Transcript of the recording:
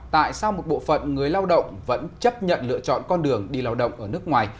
tại sao một bộ phận người lao động vẫn chấp nhận lựa chọn con đường đi lao động ở nước ngoài